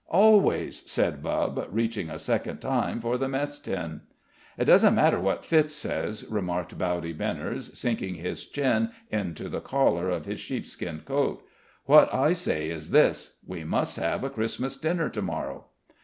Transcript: "Always," said Bubb, reaching a second time for the mess tin. "It doesn't matter what Fitz says," remarked Bowdy Benners, sinking his chin into the collar of his sheepskin coat. "What I say is this: We must have a Christmas dinner to morrow."